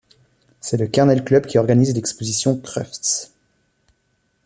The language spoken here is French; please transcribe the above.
C'est le Kennel Club qui organise l'exposition Crufts.